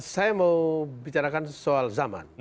saya mau bicarakan soal zaman